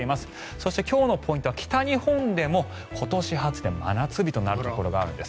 そして、今日のポイントは北日本でも今年初の真夏日となるところがあるんです。